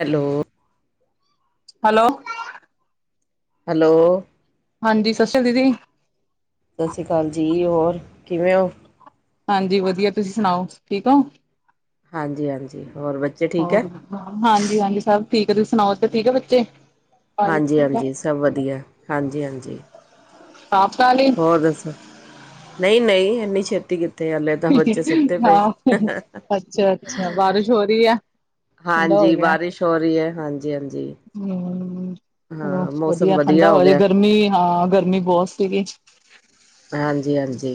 Hello hello hello ਹਾਂਜੀ ਸਸ ਸ਼੍ਰੀ ਦੀਦੀ। ਸਾਸਰੀ ਕਾਲ ਜੀ, ਹੋਰ ਕਿਵੇਂ ਓ? ਹਾਂਜੀ ਵਧੀਆ, ਤੁਸੀਂ ਸੁਣਾਓ ਠੀਕ ਓਂ? ਹਾਂਜੀ ਹਾਂਜੀ, ਹੋਰ ਬ ਹੋਰ ਹਾਂਜੀ ਹਾਂਜੀ ਸਭ ਠੀਕ ਆ, ਤੁਸੀਂ ਸੁਣਾਓ ਓਧਰ ਠੀਕ ਐ ਬੱਚੇ। ਹਾਂਜੀ ਹਾਂਜੀ ਸਭ ਵਧੀਆ। ਹਾਂਜੀ ਹਾਂਜੀ। ਖਾ ਪਕਾ ਲੀ। ਹੋਰ ਦੱਸੋ ਨਈ ਨਈ, ਏਨੀ ਛੇਤੀ ਕੀਤ ਤੇ ਆਲੇ ਤਾਂ ਬੱਚੇ ਸੁੱਤੇ ਪਏ। ਹਾਂ ਅੱਛਾ ਅੱਛਾ ਬਾਰਿਸ਼ ਹੋ ਰਹੀ ਹੈ ਠੰਡਾ ਹਾਂਜੀ ਬਾਰਿਸ਼ ਹੋ ਰੀ ਐ। ਹਾਂਜੀ ਹਾਂਜੀ। ਹਂ, ਚਲੋ ਵਧੀਆ ਠੰਡਾ ਹੋ ਜੇ ਗਰਮੀ ਹਾਂ, ਗਰਮੀ ਬੋਤ ਸੀਗੀ। ਹਾਂਜੀ ਹਾਂਜੀ।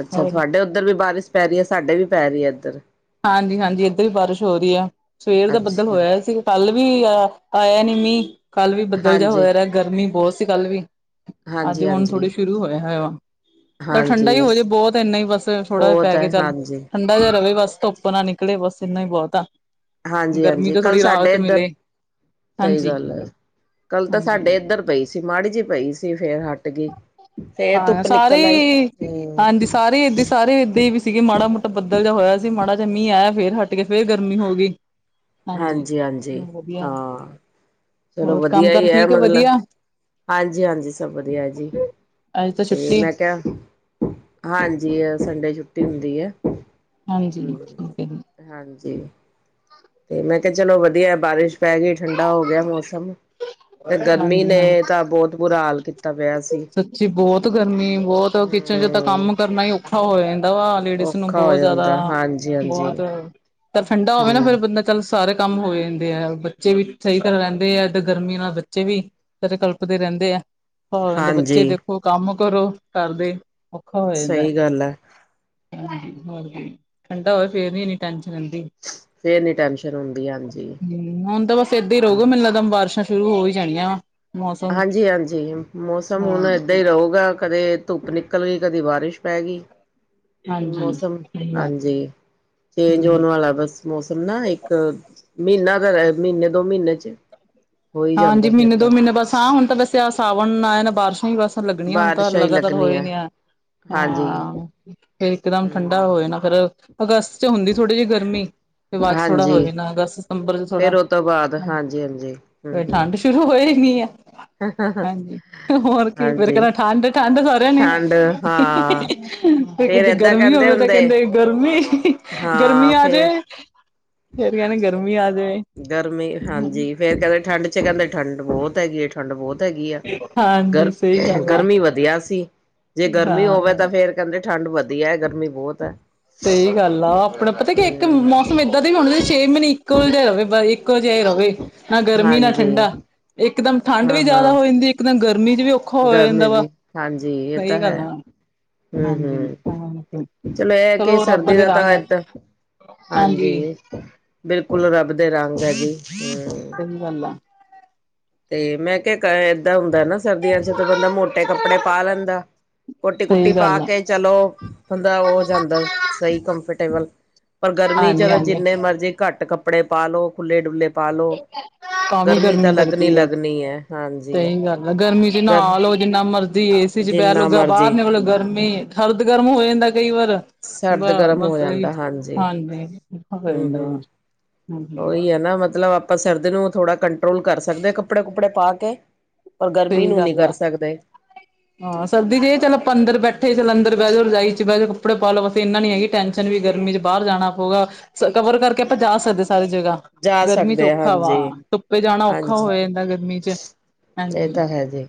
ਅੱਛਾ ਹੋਰ ਤੁਹਾਡੇ ਓਧ ਧਰ ਵੀ ਬਾਰਿਸ਼ ਪੈ ਰੀ ਐ। ਸਾਡੇ ਵੀ ਪੈ ਰੀ ਐ ਏਧਰ। ਹਾਂਜੀ ਹਾਂਜੀ ਏਧਰ ਵੀ ਬਾਰਿਸ਼ ਹੋ ਰੀ ਐ। ਸਵੇਰ ਦਾ ਬੱਦਲ ਅੱਛਾ। ਹੋਇਆ ਸੀ। ਕੱਲ ਵੀ ਆ ਆਇਆ ਨੀ ਮੀਂਅ। ਕੱਲ ਵੀ ਬੱਦਲ ਜਿਆ ਹਾਂਜੀ, ਹੋਇਆ ਰਿਆ, ਗਰਮੀ ਬੋਤ ਸੀ ਕੱਲ ਵੀ। ਅੱਜ ਹਾਂਜੀ-ਹਾਂਜੀ, ਹੁਣ ਥੋੜੇ ਹਾਂਜੀ। ਸ਼ੁਰੂ ਹੋਇਆ ਹੋਇਆ ਵਾ ਚੱਲ ਠੰਡਾ ਈ ਹਾਂਜੀ ਹੋ ਜੇ ਬੋਹਤ ਇੰਨਾ ਹੀ ਬਸ ਥੋੜਾ ਬਹੁਤ ਪੈ ਕੇ ਹੈ, ਚੱਲ ਹਾਂਜੀ। ਠੰ ਡਾ ਜਿਆ ਰਹਵੇ ਬਸ ਧੁੱਪ ਨਾ ਨਿਕਲੇ ਬਸ ਇੰਨਾ ਈ ਬਹੁਤ ਆ। ਹਾਂਜੀ ਗਰਮੀ ਹਾਂਜੀ ਤੋਂ ਕੱਲ੍ਹ ਥੋੜ੍ਹੀ ਸਾਡੇ ਰਾਹਤ ਇੱਧਰ ਮਿਲੇ ਸਹੀ ਹਾਂਜੀ ਗੱਲ ਐ ਕੱਲ ਤਾਂ ਹਾਂਜੀ ਸਾਡੇ ਇੱਧਰ ਪਈ। ਫਿਰ ਮਾੜੀ ਜਿਹੀ ਪਈ ਸੀ ਫੇਰ ਹਟ ਗਈ ਫੇਰ ਹਾਂ ਧੁੱਪ ਸਾਰੇ ਨਿਕਲ ਆਈ ਈ ਹਾਂਜੀ ਹੂੰ ਸਾਰੇ ਇਦਾਂ ਈ ਸਾਰੇ ਇਦਾਂ ਹੀ ਵੀ ਸੀਗੇ ਮਾੜਾ ਮੋਟਾ ਬੱਦਲ ਜਿਹਾ ਹੋਇਆ ਸੀ ਮਾੜਾ ਜਿ ਮੀਂਹ ਆਇਆ ਫਿਰ ਹਟ ਗਈ ਫਿਰ ਗਰਮੀ ਹੋ ਗਈ ਹਾਂਜੀ, ਹਾਂਜੀ ਵਧੀਆ ਹਾਂ ਚਲੋ ਹੋਰ ਕੰਮ ਵਧੀਆ ਕਾਰ ਇਹ ਹੈ ਠੀਕ ਮਤਲਬ ਵਧੀਆ ਹਾਂਜੀ, ਹਾਂਜੀ ਸਭ ਵਧੀਆ ਜੀ ਅੱਜ ਤਾਂ ਤੇ ਛੁੱਟੀ ਮੈਂ ਕਿਹਾ ਹਾਂਜੀ ਸੰਡੇ ਛੁੱਟੀ ਹੁੰਦੀ ਹੈ ਹਾਂਜੀ ਹਮ ਠੀਕ ਹੈ ਜੀ ਹਾਂਜੀ ਤੇ ਮੈਂ ਕਿਹਾ ਚਲੋ ਵਧੀਆ ਬਾਰਿਸ਼ ਪੈ ਗਈ ਠੰਡਾ ਹੋ ਗਿਆ ਮੌਸਮ ਤੇ ਗਰਮੀ ਹਾਂਜੀ ਨੇ ਹਾਂਜੀ ਤਾਂ ਬਹੁਤ ਬੁਰਾ ਹਾਲ ਕੀਤਾ ਪਿਆ ਸੀ। ਸੱਚੀ ਬਹੁਤ ਗਰਮੀ ਬਹੁਤ ਕਿਚਨ ਚ ਤਾਂ ਹੂੰ ਕੰਮ ਕਰਨਾ ਹੀ ਔਖਾ ਹੋ ਜਾਂਦਾ ਵਾ ਲੇਡੀਜ਼ ਨੂੰ ਔਖਾ ਹੋ ਬਹੁਤ ਜਿਆਦਾ ਜਾਂਦਾ ਹਾਂਜੀ ਹਾਂਜੀ ਬਹੁਤ ਠੰਡਾ ਹੋਵੇ ਨਾ ਫਿਰ ਹੂੰ। ਬੰਦਾ ਤਾਂ ਸਾਰੇ ਕੰਮ ਹੋ ਜਾਂਦੇ ਆ ਬੱਚੇ ਵੀ ਸਹੀ ਤਰ੍ਹਾਂ ਰਹਿੰਦੇ ਆ ਤੇ ਗਰਮੀ ਨਾਲ ਬੱਚੇ ਵੀ ਤਦੇ ਕਲਪਦੀ ਰਹਿੰਦੇ ਆ ਆ ਹੋ ਜਾਂਦਾ ਹਾਂਜੀ ਕੋਈ ਕੰਮ ਕਰੋ ਕਰਦੇ ਔਖਾ ਹੋ ਜਾਂਦਾ। ਸਹੀ ਗੱਲ ਹੈ ਹਾਂਜੀ ਹੋਰ ਠੰਡਾ ਹੋਵੇ ਫੇਰ ਨੀ ਇਨੀ ਟੈਨਸ਼ਨ ਰਹਿੰਦੀ ਫੇਰ ਨੀ ਟੈਨਸ਼ਨ ਹੁੰਦੀ ਹਾਂਜੀ ਹਮ ਹੁਣ ਤਾਂ ਬਸ ਏਦਾਂ ਹੀ ਰਹੂਗਾ ਮੈਨੂੰ ਲੱਗਦਾ ਇਕ ਦਮ ਬਾਰਿਸ਼ਾਂ ਸ਼ੁਰੂ ਹੋ ਹੀ ਜਾਣੀਆਂ ਵਾ ਮੌਸਮ ਹਾਂਜੀ, ਹਾਂਜੀ ਮੌਸਮ ਹੁਣ ਹਾਂ ਏਦਾਂ ਹੀ ਰਹੂਗਾ ਕਦੇ ਧੁੱਪ ਨਿਕਲ ਗਈ ਕਦੇ ਬਾਰਿਸ਼ ਪੈ ਗਈ ਹੁਣ ਹਾਂਜੀ ਮੌਸਮ ਹਾਂਜੀ ਚੇਂਜ ਹਮ ਹੋਣ ਵਾਲਾ ਬਸ ਮੌਸਮ ਨਾ ਇੱਕ ਮਹੀਨਾ ਦਾ ਮਹੀਨੇ ਦੋ ਮਹੀਨੇ ਚ ਹੋ ਹੀ ਜਾਂਦਾ ਫਿਰ ਤਾਂ ਸਾਹ ਹੁਣ ਤਾਂ ਵੈਸੇ ਆ ਸਾਵਣ ਨਾ ਨਾ ਬਾਰਸ਼ਾਂ ਹੀ ਬਸ ਲੱਗਣੀਆਂ ਹੁਣ ਤਾਂ ਬਾਰਿਸ਼ਾਂ ਹੀ ਲਗਾਤਾਰ ਹੋਏ ਲੱਗਣੀਆਂ ਨੇ ਆ ਹਾਂਜੀ ਹਾਂ ਫਿਰ ਇਕਦਮ ਹਮ ਠੰਡਾ ਹੋ ਜਾਣਾ ਫੇਰ ਅਗਸਤ ਚ ਹੁੰਦੀ ਥੋੜੀ ਜਿਹੀ ਗਰਮੀ ਤੇ ਬਾਅਦ ਚ ਥੋੜਾ ਹਾਂਜੀ ਹੋਏ ਨਾ ਅਗਸਤ ਸਤੰਬਰ ਚ ਥੋੜਾ ਫੇਰ ਉਹ ਤੋਂ ਬਾਅਦ ਹ ਹਾਂਜੀ ਹਾਂਜੀ ਹਮ ਫਿਰ ਹਮ ਠੰਡ ਸ਼ੁਰੂ ਹੋ ਜਾਣੀ ਆ ਹਾਂਜੀ ਹੋਰ ਕੀ ਫੇਰ ਹਾਂਜੀ ਕਹਿੰਦਾ ਠੰਡ ਠੰਢ ਸਾਰਿਆਂ ਨੇ ਠੰਡ ਹਾਂ ਫਿਰ ਫੇਰ ਕਿਤੇ ਏਦਾਂ ਗਰਮੀ ਕਹਿੰਦੇ ਹੋਵੇ ਤਾਂ ਹੁੰਦੇ ਕਹਿੰਦੇ ਗਰਮੀ ਗਰਮੀ ਹਾਂ ਆ ਫੇਰ ਜਾਏ ਫੇਰ ਕਹਿਣਗੇ ਗਰਮੀ ਆ ਜਾਏ ਗਰਮੀ ਹਾਂਜੀ ਫੇਰ ਕਹਿੰਦੇ ਠੰਡ ਚ ਕਹਿੰਦੇ ਠੰਡ ਬਹੁਤ ਹੈਗੀ ਆ ਠੰਡ ਬਹੁਤ ਹੈਗੀ ਆ। ਗਰ ਹਾਂਜੀ ਸਹੀ ਗੱਲ ਆ ਗਰਮੀ ਵਧੀਆ ਸੀ ਜੇ ਗਰਮੀ ਹਾਂ ਹੋਵੇ ਤਾਂ ਫੇਰ ਕਹਿੰਦੇ ਠੰਡ ਵਧੀਆ ਗਰਮੀ ਬਹੁਤ ਹੈ। ਸਹੀ ਗੱਲ ਆ ਆਪਣਾ ਪਤਾ ਕੀ ਇੱਕ ਹਮ ਮੌਸਮਏਦਾਂ ਦਾ ਵੀ ਹੁਣ ਛੇ ਮਹੀਨੇ ਕੂਲਡ ਰਵੇ ਇੱਕੋ ਜਿਹਾ ਰਹੇ ਇੱਕੋ ਵ ਜਿਹਾ ਰਵੇ ਨਾ ਗਰਮੀ ਨਾ ਹਾਂਜੀ ਠੰਢਾ ਇਕਦਮ ਠੰਡ ਹਾਂ ਵੀ ਜ਼ਿਆਦਾ ਹਾਂ ਹੋ ਜਾਂਦੀ ਇੱਕਦਮ ਗਰਮੀ ਚ ਵੀ ਔਖ ਔਖਾ ਹੋ ਗਰਮੀ ਜਾਂਦਾ ਵਾ ਵੀ ਹਾਂਜੀ ਇਹ ਸਹੀ ਤਾਂ ਗੱਲ ਹੈ ਆ ਹਮ ਹਾਂਜੀ ਹਮ ਚਲੋ ਇਹ ਕਿ ਰੱਬ ਸਰਦੀ ਦੇ ਦਾ ਤਾਂ ਰੰਗ ਏਦਾਂ ਹਾਂਜੀ ਬਿਲਕੁਲ ਰੱਬ ਦੇ ਰੰਗ ਹੈ ਜੀ ਹਮ ਗ ਤੇ ਮੈਂ ਕਿਹਾ ਏਦਾਂ ਹੁੰਦਾ ਨਾ ਸਰਦੀਆਂ ਚ ਤਾਂ ਬੰਦਾ ਮੋਟੇ ਕੱਪੜੇ ਪਾ ਲੈਂਦਾ। ਕੋਟੀ ਕੂਟੀ ਸਹੀ ਪਾ ਗੱਲ ਆ ਕੇ ਚਲੋ ਬੰਦਾ ਉਹ ਜਾਂਦਾ ਸਹੀ ਕੰਫਰਟੇਬਲ ਪਰ ਗਰਮੀ ਚ ਹਾਂਜੀ ਤਾਂ ਹਾਂਜੀ ਜਿੰਨੇ ਮਰਜ਼ੀ ਘੱਟ ਕੱਪੜੇ ਪਾ ਲਓ ਖੁੱਲ੍ਹੇ ਡੁੱਲੇ ਪਾ ਲੋ ਗਰਮੀ ਤਾਂ ਲੱਗਣੀ ਲੱਗਣੀ ਹੈ। ਹਾਂਜੀ ਸਹੀ ਗੱਲ ਹੈ ਗਰਮੀ ਚ ਨਾ ਗਰ ਲਓ ਜਿੰਨਾ ਮਰਜ਼ੀ ਏਸੀ ਚ ਪੈ ਜਿੰਨਾ ਲਓ ਬਾਹਰ ਮਰਜੀ ਨੇ ਮਤਲਬ ਗਰਮੀ ਸਰਦ ਗਰਮ ਹੋ ਜਾਂਦਾ ਕਈ ਵਾਰ ਬ ਸਰਦ ਗਰਮ ਹੋ ਬਸ ਏਹੀ ਜਾਂਦਾ ਹਾਂਜੀ ਹੁੰਦਾ ਹਮ ਰਹਿੰਦਾ ਵਾ। ਹਮ ਉਹੀ ਆ ਨਾ ਮਤਲਬ ਆਪਾਂ ਸਰਦੀ ਨੂੰ ਥੋੜਾ ਕੰਟਰੋਲ ਕਰ ਸਕਦੇ ਆ ਕੱਪੜੇ ਕੁਪੜੇ ਪਾ ਕੇ। ਪਰ ਗਰਮੀ ਸਈ ਨੂੰ ਨਹੀਂ ਗੱਲ ਕਰ ਆ। ਸਕਦੇ ਹਾਂ, ਸਰਦੀ ਚ ਇਹ ਚਲੋ ਅੰਦਰ ਬੈਠੇ ਚੱਲ ਅੰਦਰ ਬਹਿ ਜਾਓ, ਰਜਾਈ ਚ ਬਹਿ ਜਾਓ, ਕੱਪੜੇ ਪਾ ਲਓ ਬਸ ਐਨਾ ਨੀ ਹੈਗੀ ਟੈਨ ਸ਼ਨ ਵੀ ਗਰਮੀ ਚ ਬਾਹਰ ਜਾਣਾ ਪਊਗਾ, ਕਵਰ ਕਰਕੇ ਆਪਾਂ ਜਾ ਸਕਦੇ ਸਾਰੀ ਜਗ੍ਹਾ ਜਾ ਗਰਮੀ ਚ ਸਕਦੇ ਆ ਔਖਾ ਵਾ, ਹਾਂਜੀ ਧੁੱਪੇ ਜਾਣਾ ਔਖਾ ਹੋ ਹਾਂਜੀ ਜਾਂਦਾ ਗਰਮੀ ਚ। ਇਹ ਹਾਂਜੀ ਤਾਂ ਹੈ ਜੀ,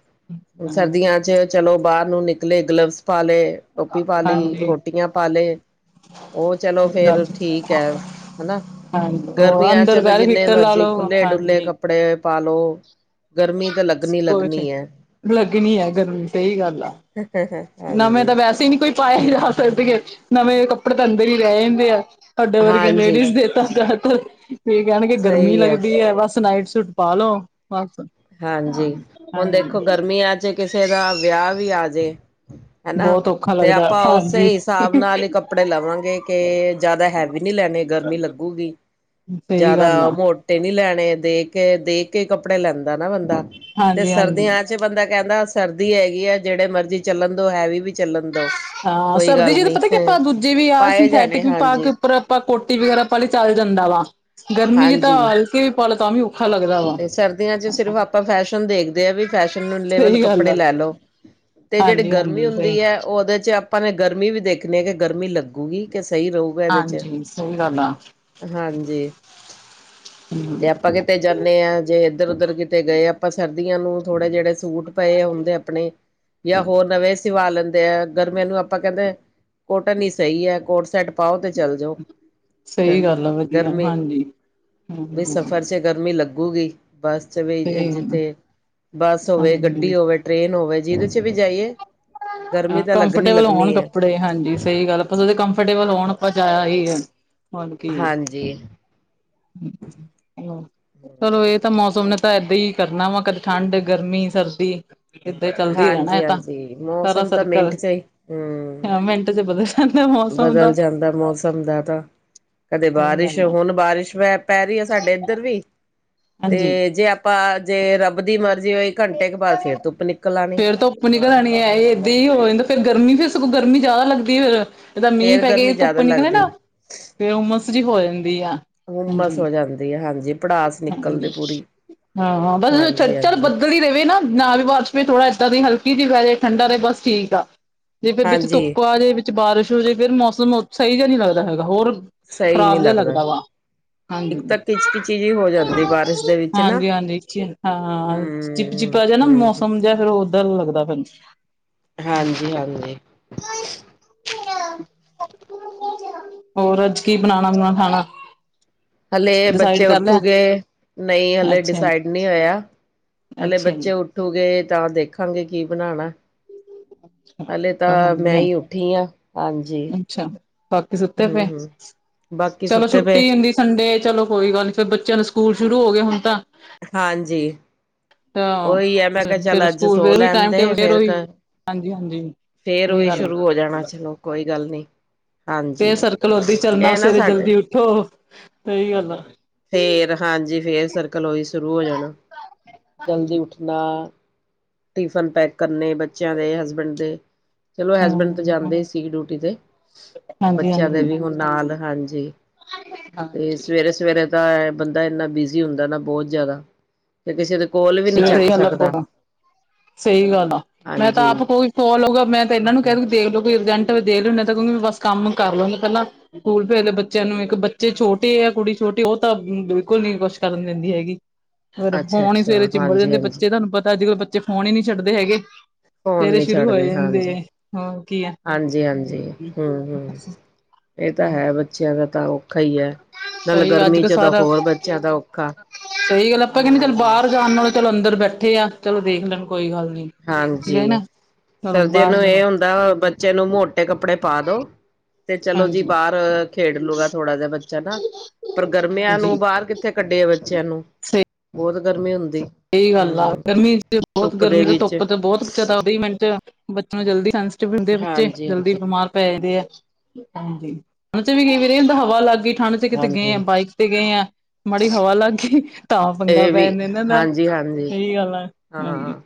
ਹਾਂ ਸਰਦੀਆਂ ਚ ਚੱਲੋ ਬਾਹਰ ਨੂੰ ਨਿਕਲੇ ਗਲੱਵਸ ਪਾ ਲਏ ਟੋਪੀ ਪਾ ਲਈ, ਕੋਟੀਆਂ ਪਾ ਲਏ ਓ ਚਲੋ ਫੇਰ ਹਾਂਜੀ ਠੀਕ ਐ ਹਨਾ। ਹਾਂਜੀ, ਹੋਰ? ਵੀ ਐ ਚਲੋ ਜਿੰਨੇ ਮਰਜ਼ੀ ਖੁੱਲ੍ਹੇ ਡੁੱਲੇ ਕੱਪੜੇ ਪਾਲੋ ਗਰਮੀ ਤਾਂ ਲੱਗਣੀ ਕੁਛ ਲੱਗਣੀ ਐ। ਲੱਗਣੀ ਹੈ ਗਰਮੀ ਸਹੀ ਗੱਲ ਆ ਨਵੇਂ ਤਾਂ ਵੈਸੇ ਹੀ ਨੂੰ ਕੋਈ ਪਾਏ ਜਾ ਸਕਦੇ, ਨਵੇਂ ਕੱਪੜੇ ਤਾਂ ਅੰਦਰ ਹੀ ਰਹਿ ਜਾਂਦੇ ਆ। ਸਾਡੇ ਵਰਗੇ ਹਾਂਜੀ। ਲੇਡੀਜ਼ ਦੇ ਤਾਂ ਜਿਆਦਾਤਰ, ਫੇਰ ਕਹਿਣਗੇ ਗਰਮੀ ਸਹੀ ਹੈ ਲੱਗਦੀ ਐ ਬਸ ਨਾਈਟ ਸੂਟ ਪਾਲੋ। ਬਸ। ਹਾਂਜੀ, ਹੁਣ ਦੇਖੋ ਹਾਂਜੀ ਗਰਮੀਆਂ ਚ ਕਿਸੇ ਦਾ ਵਿਆਹ ਵੀ ਆ ਜੇ ਹਨਾ ਬਹੁਤ ਔਖਾ ਤੇ ਲੱਗਦਾ ਆਪਾਂ ਉਸੇ ਹਾਂਜੀ ਹਿਸਾਬ ਨਾਲ ਹੀ ਕੱਪੜੇ ਲਵਾਂਗੇ ਕਿ ਜ਼ਿਆਦਾ ਹੈਵੀ ਨਹੀਂ ਲੈਣੇ ਗਰਮੀ ਲੱਗੂਗੀ। ਸਈ ਗੱਲ ਜ਼ਿਆਦਾ ਆ। ਮੋਟੇ ਨੀ ਲੈਣੇ ਦੇਖ ਕੇ ਦੇਖ ਕੇ ਕੱਪੜੇ ਲੈਂਦਾ ਨਾ ਬੰਦਾ ਤੇ ਹਾਂਜੀ ਹਾਂਜੀ ਸਰਦੀਆਂ ਚ ਚ ਬੰਦਾ ਕਹਿੰਦਾ ਸਰਦੀ ਹੈਗੀ ਆ ਜਿਹੜੇ ਮਰਜ਼ੀ ਚੱਲਣ ਦੋ ਹੈਵੀ ਵੀ ਚੱਲਣ ਦੋ ਹਾਂ, ਕੋਈ ਸਰਦੀ ਗੱਲ ਚ ਤਾਂ ਨੀ ਪਤਾ ਕੀ ਆਪਾਂ ਦੂਜੇ ਵੀ ਆ ਪਾਏ ਜਾਣੇ ਸਿੰਥੈਟਿਕ ਵੀ ਪਾ ਕੇ ਹਾਂਜੀ ਉੱਪਰ ਆਪਾਂ ਕੋਟੀ ਵਗੈਰਾ ਪਾ ਲਈ ਚੱਲ ਜਾਂਦਾ ਵਾ, ਗਰਮੀ ਚ ਤਾਂ ਹਾਂਜੀ ਹਲਕੇ ਵੀ ਪਾਲੋ ਤਾਂ ਵੀ ਔਖਾ ਲੱਗਦਾ ਵਾ ਤੇ ਸਰਦੀਆਂ ਚ ਸਿਰਫ ਆਪਾਂ ਫੈਸ਼ਨ ਦੇਖਦੇ ਆ ਵੀ ਫੈਸ਼ਨ ਨੂੰ ਲੇਵਲ ਸਹੀ ਗੱਲ ਕੱਪੜੇ ਆ ਲੈ ਲਓ। ਤੇ ਜਿਹੜੀ ਹਾਂਜੀ ਗਰਮੀ ਹਾਂਜੀ ਸਹੀ ਹੁੰਦੀ ਐ ਉਹਦੇ ਚ ਆਪਾਂ ਨੇ ਗਰਮੀ ਵੀ ਦੇਖਣੀ ਆ ਕਿ ਗਰਮੀ ਲੱਗੂਗੀ ਕੇ ਸਹੀ ਰਹੂ। ਏਦੇ ਚ, ਹਾਂਜੀ ਸਹੀ ਗੱਲ ਆ ਹਾਂਜੀ। ਹਮ ਤੇ ਆਪਾਂ ਕਿਤੇ ਜਾਣੇ ਆ ਜੇ ਇੱਧਰ ਉੱਧਰ ਕਿਤੇ ਗਏ ਆਪਾਂ ਸਰਦੀਆਂ ਨੂੰ ਥੋੜ੍ਹੇ ਜਿਹੜੇ ਸੂਟ ਪਏ ਹੁੰਦੇ ਆਪਣੇ ਜਾਂ ਹੋਰ ਨਵੇਂ ਸਿਵਾ ਲੈਂਦੇ ਆ, ਗਰਮੀਆਂ ਨੂੰ ਆਪਾਂ ਕਹਿੰਦੇ ਕੋਟਨ ਹੀ ਸਹੀ ਐ ਕੋਟ ਸੈਟ ਪਾਓ ਤੇ ਚਲ ਜੋ, ਹਾਂ ਸਹੀ ਗੱਲ ਆ ਵਧੀਆ ਗਰਮੀ ਹਾਂਜੀ ਵੀ ਹਮ ਸਫ਼ਰ ਚ ਗਰਮੀ ਲੱਗੂਗੀ। ਬੱਸ ਚ ਵੀ ਸਹੀ ਗੱਲ ਆ ਜਿੱਥੇ ਬੱਸ ਹੋਵੇ, ਗੱਡੀ ਹਾਂਜੀ ਹੋਵੇ, ਟ੍ਰੇਨ ਹੋਵੇ ਜੀਹਦੇ ਚ ਵੀ ਜਾਈਏ, ਗਰਮੀ ਤਾਂ ਲੱਗਣੀ ਲੱਗਣੀ ਆ। ਤੇ ਹਾਂਜੀ। ਸਹੀ ਗੱਲ ਆਪਾਂ ਜਿਹਦੇ ਚ ਕੰਫਰਟੇਬਲ ਹੋਣ ਆਪਾਂ ਜਾ ਆਈਏ, ਹੋਰ ਕੀ। ਹਾਂਜੀ [unintelligible] ਚਲੋ ਇਹ ਤਾਂ ਮੌਸਮ ਨੇ ਤਾਂ ਏਦਾਂ ਹੀ ਕਰਨਾ ਵਾ ਕਦੇ ਠੰਡ, ਗਰਮੀ, ਸਰਦੀ। ਏਦਾਂ ਚੱਲਦਾ ਈ ਰਹਿਣਾ। ਤਾਂ ਜੀ ਸਾਰਾ ਮੌਸਮ ਤਾਂ ਮਿੰਟ ਸਰਕਲ ਚ ਹੀ ਹੂੰ, ਮਿੰਟ ਚ ਬਦਲ ਜਾਂਦਾ ਮੌਸਮ ਬਦਲ ਦਾ ਜਾਂਦਾ ਮੌਸਮ ਦਾ ਤਾਂ ਕਦੇ ਸਹੀ ਬਾਰਿਸ਼ ਗੱਲ ਆ ਹੁਣ ਬਾਰਿਸ਼ ਪੈ ਰਹੀ ਐ ਸਾਡੇ ਇੱਧਰ ਵੀ ਹਾਂਜੀ ਤੇ ਜੇ ਆਪਾਂ ਜੇ ਰੱਬ ਦੀ ਮਰਜ਼ੀ ਹੋਈ ਘੰਟੇ ਕ ਬਾਅਦ ਫੇਰ ਧੁੱਪ ਨਿ ਫੇਰ ਧੁੱਪ ਨਿਕਲ ਆਣੀ ਐ, ਇਹ ਏਦਾਂ ਹੀ ਹੋ ਜਾਂਦਾ ਫੇਰ ਗਰਮੀ, ਫਿਰ ਸਗੋਂ ਗਰਮੀ ਜ਼ਿਆਦਾ ਲੱਗਦੀ ਫਿਰ। ਜਿੱਦਾਂ ਮੀਂਹ ਫੇਰ ਪੈ ਕੇ ਗਰਮੀ ਧੁੱਪ ਜ਼ਿਆਦਾ ਨਿਕਲੇ ਲੱਗਦੀ ਨਾ, ਫੇਰ ਉਮਸ ਜੀ ਹੋ ਜਾਂਦੀ ਆ। ਹੁਮਸ ਹਾਂਜੀ ਹੋ ਜਾਂਦੀ ਆ, ਹਾਂਜੀ ਭੜਾਸ ਨਿਕਲਦੀ ਪੂਰੀ। ਹਾਂ-ਹਾ ਬਸ ਚਲ ਹਾਂਜੀ ਬੱਦਲ ਹਾਂਜੀ ਬੱਦਲ ਵੀ ਰਵੇ ਨਾ, ਨਾਲ ਵਾਰਿਸ਼ ਵੀ ਥੋੜਾ ਏਦਾਂ ਦੀ ਹਲਕੀ ਜਿਹੀ ਰਵੇ, ਠੰਡਾ ਤੇ ਬਸ ਠੀਕ ਆ। ਜੇ ਫੇਰ ਵਿੱਚ ਹਾਂਜੀ ਧੁੱਪ ਆ ਜਾਏ, ਵਿੱਚ ਬਾਰਿਸ਼ ਹੋ ਜੇ, ਫੇਰ ਮੌਸਮ ਓ ਸਹੀ ਜਿਹਾ ਨਹੀਂ ਲੱਗਦਾ ਹੈਗਾ, ਹੋਰ ਸਹੀ ਨਹੀਂ ਖ਼ਰਾਬ ਜਿਹਾ ਲੱਗਦਾ ਵਾ। ਇੱਕ ਹਾਂਜੀ, ਤਾਂ ਕਿਚ ਕਿਚੀ ਜਿਹੀ ਹੋ ਜਾਂਦੀ ਬਾਰਿਸ਼ ਦੇ ਵਿੱਚ ਨਾ ਹਾਂਜੀ-ਹਾਂਜੀ ਚਿੰਤਾ ਹੂੰ ਚਿਪ-ਚਿਪਾ ਜਿਆ ਨਾ, ਹੂੰ ਮੌਸਮ ਜਿਆ ਫਿਰ ਓਦਾ ਦਾ ਲੱਗਦਾ, ਹਾਂਜੀ ਹਾਂਜੀ-ਹਾਂਜੀ। [unintelligible] ਮੇਰੇ ਆ। ਹੋਰ ਅੱਜ ਕੀ ਬਣਾਣਾ-ਬੂਣਾ ਖਾਣਾ? ਹਲੇ ਡਿਸਾਈਡ ਬੱਚੇ ਕਰ ਲਿਆ ਉੱਠੂਗੇ, ਨਹੀਂ ਹਲੇ ਅੱਛਾ ਡਿਸਾਈਡ ਨੀ ਹੋਇਆ। ਹਲੇ ਅੱਛਾ ਬੱਚੇ ਜੀ ਉੱਠੂਗੇ ਤਾਂ ਦੇਖਾਂਗੇ ਕੀ ਬਣਾਣਾ। ਅੱਛਾ। ਹਲੇ ਤਾਂ ਮੈਂ ਈ ਉੱਠੀ ਆ, ਹਾਂਜੀ ਅੱਛਾ ਬਾਕੀ ਸੁੱਤੇ ਪਏ ਹੂੰ-ਹੂੰ। ਬਾਕੀ ਚਲੋ ਸੁੱਤੇ ਪਏ? ਛੁੱਟੀ ਹੁੰਦੀ ਸੰਡੇ ਚਲੋ ਕੋਈ ਗੱਲ ਨੀ, ਫਿਰ ਬੱਚਿਆਂ ਨੂੰ ਸਕੂਲ ਸ਼ੁਰੂ ਹੋ ਗਏ ਹੁਣ ਤਾਂ ਹਾਂਜੀ ਤਾਂ ਓਹੀ ਐ, ਮੈਂ ਕਿਹਾ ਚੱਲ ਫਿਰ ਅੱਜ ਸਕੂਲ ਸੋ ਵੀ ਲੈਨ ਟਾਈਮ ਦੇ, ਟੇਬਲ ਫਿਰ ਫੇਰ ਕ ਉਹੀ ਹਾਂਜੀ ਹਾਂਜੀ ਫੇਰ ਇਹੀ ਉਹੀ ਗੱਲ ਸ਼ੁਰੂ ਹੋ ਜਾਣਾ, ਚਲੋ ਕੋਈ ਗੱਲ ਨੀ। ਹਾਂਜੀ ਤੇ ਸਰਕਲ ਓਦਾ ਈ ਚੱਲਣਾ, ਇਹ ਨਾ ਸਵੇਰੇ ਸਾਡੇ ਜਲਦੀ ਉੱਠੋ, ਸਹੀ ਗੱਲ ਆ। ਫੇਰ ਹਾਂਜੀ, ਫੇਰ ਸਰਕਲ ਉਹੀ ਸ਼ੁਰੂ ਹੋ ਜਾਣਾ ਜਲਦੀ ਹਾਂਜੀ ਉੱਠਣਾ ਟਿਫਨ ਪੈਕ ਕਰਨੇ ਬ ਬੱਚਿਆਂ ਦੇ, ਹਸਬੈਂਡ ਦੇ, ਚਲੋ ਹਾਂ ਹੈਸਬੈਂਡ ਤੇ ਜਾਂਦੇ ਸੀ ਡਿਊਟੀ ਤੇ ਹਾਂਜੀ ਬੱਚਿਆਂ ਦੇ ਹਾਂਜੀ ਵੀ ਹੁਣ ਨਾਲ, ਹਾਂਜੀ। ਤੇ ਹਾਂਜੀ ਸਵੇਰੇ-ਸਵੇਰੇ ਤਾਂ ਐਂ ਬੰਦਾ ਇੰਨਾ ਬਿਜ਼ੀ ਹੁੰਦਾ ਨਾ, ਬਹੁਤ ਜ਼ਿਆਦਾ ਤੇ ਕਿਸੇ ਦੇ ਕੋਲ ਵੀ ਨੀ ਚੱਕ ਸਹੀ ਗੱਲ ਸਕਦਾ। ਆ ਸਹੀ ਗੱਲ ਆ, ਮੈਂ ਤਾਂ ਹਾਂਜੀ ਆਪ ਕੋਈ ਕੋਲ ਆਊਗਾ ਮੈਂ ਤਾਂ ਇਹਨਾਂ ਨੂੰ ਕਹਿ ਹੂੰ ਦੂ ਦੇਖ ਲਿਓ, ਕੋਈ ਅਰਜੈਂਟ ਹੋਵੇ ਦੇਖ ਲਿਓ, ਨਹੀ ਤਾਂ ਉਹਨੂੰ ਬਸ ਕੰਮ ਕਰ ਲਵਗੇ ਪਹਿਲਾਂ। ਸਕੂਲ ਭੇਜਲੋ ਬੱਚਿਆਂ ਨੂੰ, ਇੱਕ ਬੱਚੇ ਛੋਟੇ ਐ, ਕੁੜੀ ਛੋਟੀ ਉਹ ਤਾਂ ਬਿਲਕੁਲ ਨੀ ਕੁਛ ਕਰਨ ਦਿੰਦੀ ਹੈਗੀ। ਫਿਰ ਅੱਛਾ ਫੋਨ ਈ ਅੱਛਾ ਸਵੇਰੇ ਚਿੰਬੜ ਹਾਂਜੀ ਜਾਂਦੇ ਹਾਂਜੀ ਬੱਚੇ, ਤੁਹਾਨੂੰ ਪਤਾ ਅੱਜ-ਕੱਲ੍ਹ ਬੱਚੇ ਫੋਨ ਈ ਨੀ ਛੱਡਦੇ ਹੈਗੇ। ਫੋਨ ਸਵੇਰੇ ਨੀ ਸ਼ੁਰੂ ਹੋ ਛੱਡਦੇ ਹਾਂਜੀ। ਜਾਂਦੇ ਹੋਰ ਕੀ ਆ ਹਾਂਜੀ-ਹਾਂਜੀ, ਹੂੰ-ਹੂੰ। ਇਹ ਤਾਂ ਹੈ, ਬੱਚਿਆਂ ਦਾ ਤਾਂ ਔਖਾ ਈ ਐ। ਨਾਲੇ ਸਹੀ ਅੱਜ ਗਰਮੀ ਕੱਲ ਜਦਾਂ ਸਾਰਾ ਹੋਰ ਬਚਿਆ ਦਾ ਔਖਾ, ਸਹੀ ਗੱਲ ਆਪਾਂ ਕਹਿੰਦੇ ਚੱਲ ਹੂੰ। ਬਾਹਰ ਜਾਣ ਨਾਲੋਂ ਚਲੋ ਅੰਦਰ ਬੈਠੇ ਆ, ਚਲੋ ਵੇਖ ਲੈਣ ਕੋਈ ਹਲ ਨੀ ਠੀਕ ਹੈ ਨਾ ਹਾਂਜੀ, ਚਲੋ ਸਰਦੀਆਂ ਬਾਹਰ ਨੂੰ ਜਾਓ ਇਹ ਹੁੰਦਾ ਵਾ, ਬੱਚੇ ਨੂੰ ਮੋਟੇ ਕੱਪੜੇ ਪਾ ਦਉ ਤੇ ਚਲੋ ਜੀ ਹਾਂਜੀ ਬਾਹਰ ਖੇਡ ਲੂਗਾ ਥੋੜਾ ਜਿਹਾ ਬੱਚਾ ਨਾ ਪਰ ਗਰਮੀਆਂ ਨੂੰ ਹਾਂਜੀ ਬਾਰ ਕਿੱਥੇ ਕੱਡੀਏ ਬੱਚਿਆਂ ਨੂੰ, ਬਹੁਤ ਗਰਮੀ ਹੁੰਦੀ। ਸਹੀ ਗੱਲ ਆ, ਹੂੰ ਗਰਮੀ 'ਚ ਬਹੁਤ ਧੁੱਪ ਦੇ ਗਰਮੀ ਤੋਂ ਵਿੱਚ ਧੁੱਪ ਤੇ ਬਹੁਤ ਜਿਆਦਾ ਵੀਹ ਮਿੰਟ, ਬੱਚੇ ਨੂੰ ਜਲਦੀ 'ਚ ਵੀ ਹੁੰਦੇ ਬੱਚੇ, ਹਾਂਜੀ ਜਲਦੀ ਹਾਂਜੀ ਬਿਮਾਰ ਪ‌ਏ ਦੇ ਆ, ਹਾਂਜੀ ਉਹਨਾਂ 'ਚ ਵੀ ਕਈ ਵਾਰੀ ਹੁੰਦਾ ਹਵਾ ਲੱਗ ਗੀ, ਠੰਡ 'ਚ ਕਿਤੇ ਗਏ ਆ, ਹਾਂਜੀ ਬਾਈਕ ਤੇ ਗਏ ਆ, ਮਾੜੀ ਹਵਾ ਲੱਗ ਗੀ ਤਾਂ ਪੰਗਾ ਇਹ ਪੈ ਵੀ ਜਾਂਦਾ ਇਹਨਾਂ ਦਾ ਹਾਂਜੀ ਹਾਂਜੀ ਸਹੀ ਗੱਲ ਆ, ਹਾਂਜੀ। ਹਾਂ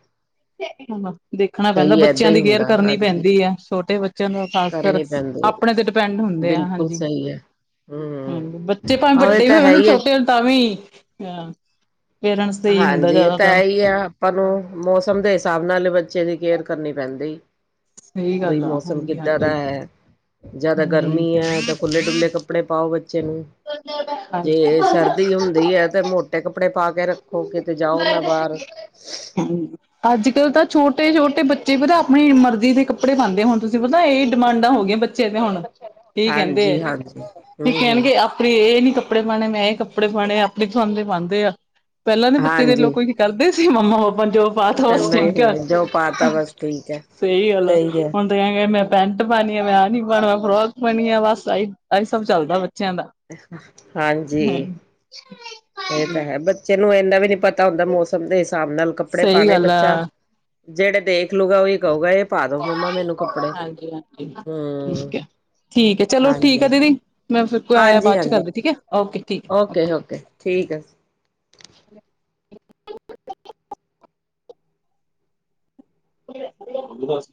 ਦੇਖਣਾ ਪੈਂਦਾ, ਸਹੀ ਹੈ ਏਦਾਂ ਬੱਚਿਆਂ ਹੀ ਦੀ ਕੇਅਰ ਹੁੰਦਾ ਕਰਨੀ ਹਾਂਜੀ ਪੈਂਦੀ ਆ, ਛੋਟੇ ਬੱਚਿਆਂ ਦੀਆਂ ਖਾਸ ਕਰ। ਆਪ ਕਰਨੀ ਪੈਂਦੀ ਹੈ ਆਪਣੇ ਤੇ ਡਿਪੈਂਡ ਹੁੰਦੇ ਆ, ਬਿਲਕੁਲ ਹਾਂਜੀ ਸਹੀ ਹੈ ਹਾਂ ਹਮ ਬੱਚੇ ਭਾਵੇਂ ਹਾਂ ਇਹ ਵੱਡੇ ਤਾਂ ਹੈ ਹੋਣ ਹੀ ਹੈ ਛੋਟੇ ਤਾਂ ਵੀ ਪੇਰੈਂਟਸ ਤੇ ਈ ਹੁੰ ਜੇ ਤਾਂ ਏਹੀ ਆ ਆਪਾਂ ਨੂੰ ਮੌਸਮ ਦੇ ਹਿਸਾਬ ਨਾਲ ਬੱਚੇ ਦੀ ਕੇਅਰ ਕਰਨੀ ਪੈਂਦੀ। ਸਹੀ ਬਈ ਗੱਲ ਆ ਮੌਸਮ ਹਾਂਜੀ ਕਿੱਦਾਂ ਹਾਂਜੀ ਦਾ ਹੈ। ਜਿਆਦਾ ਹਾਂਜੀ ਗਰਮੀ ਹੈ ਤਾਂ ਖੁੱਲੇ- ਡੁੱਲੇ ਕੱਪੜੇ ਪਾਓ ਬੱਚੇ ਨੂੰ, ਹਾਂਜੀ ਜੇ ਸਰਦੀ ਦੀ ਹੁੰਦੀ ਹੈ ਤੇ ਮੋਟੇ ਕੱਪੜੇ ਪਾ ਕੇ ਰੱਖੋ ਕਿਤੇ ਜਾਓ ਨਾ ਬਾਹਰ। ਹੂੰ। ਅੱਜ ਕੱਲ ਤਾਂ ਛੋਟੇ- ਛੋਟੇ ਬੱਚੇ ਪਤਾ ਆਪਣੀ ਮਰਜ਼ੀ ਦੇ ਕੱਪੜੇ ਪਾਉਂਦੇ ਹੁਣ ਤੁਸੀਂ ਪਤਾ ਇਹ ਡਿਮਾਂਡਾਂ ਹੋ ਗਈਆਂ ਬ- ਬੱਚੇ ਤੇ ਹੁਣ, ਏ ਕਹਿੰਦੇ ਹੈ, ਹਾਂਜੀ ਹਾਂਜੀ ਤੇ ਹਮ ਹਮ ਕਹਿਣਗੇ ਮੈਂ ਇਹ ਨੀ ਕੱਪੜੇ ਪਾਉਣੇ, ਮੈਂ ਇਹ ਕੱਪੜੇ ਪਾਉਣੇ ਆਪਣੇ ਪਸਹੰਦੇ ਪਾਉਂਦੇ ਆ। ਪਹਿਲਾਂ ਦੇ ਬੱਚੇ ਦੇ ਲੋ ਹਾਂਜੀ ਕਈ ਕਰਦੇ ਸੀ ਮੰਮਾ- ਪਾਪਾ ਜੋ ਬਾਤ ਬਸ ਨਹੀਂ ਠੀਕ ਆ, ਨਹੀਂ ਜੋ ਪਾਤਾ ਬਸ ਠੀਕ ਹੈ ਸਹੀ ਗੱਲ ਆ ਸਹੀ ਹੈ ਹੁਣ ਤੇ ਕਹਿ ਕੇ ਮੈਂ ਪੈਂਟ ਪਾਉਣੀ ਆ, ਮੈਂ ਆ ਨੀ ਪਾਉਣਾ ਫਰੋਕ ਪਾਉਣੀ ਆ ਬਸ ਇ ਆਹੀ ਸਭ ਚੱਲਦਾ ਬੱਚਿਆਂ ਦਾ। ਹਾਂਜੀ। ਹ [unintelligible] ਇਹ ਤਾਂ ਹੈ, ਬੱਚੇ ਨੂੰ ਇੰਨਾ ਵੀ ਨੀ ਪਤਾ ਹੁੰਦਾ ਮੌਸਮ ਦੇ ਹਿਸਾਬ ਨਾਲ ਕੱਪੜੇ ਸਹੀ ਪਾਉਣੇ ਗੱਲ ਬੱਚਾ। ਆ ਜਿਹੜੇ ਦੇਖਲੂਗਾ ਉਹੀ ਕਹੂਗਾ ਇਹ ਪਾ ਦੋ ਮੰਮਾ ਮੈਨੂੰ ਕੱਪੜੇ, ਹਾਂਜੀ ਹਾਂਜੀ ਹੂੰ। ਠੀਕ ਹੈ ਠੀਕ ਹੈ ਚਲੋ ਠੀਕ ਹੈ ਦੀਦੀ, ਮੈਂ ਫੇਰ ਕੋਈ ਆਇਆ ਹਾਂਜੀ ਬਾਅਦ ਚ ਹਾਂਜੀ ਕਰਦੀ ਠੀਕ ਹੈ ਓਕੇ ਠੀਕ ਹੈ। ਓਕੇ- ਓਕੇ ਠੀਕ। ਬਸ।